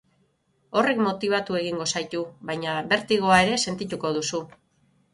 Horrek motibatu egingo zaitu, baina bertigoa ere, sentituko duzu.